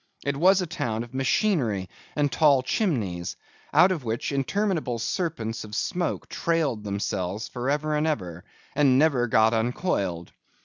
It was a town of machinery and tall chimneys, out of which interminable serpents of smoke trailed themselves for ever and ever, and never got uncoiled.